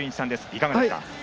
いかがですか？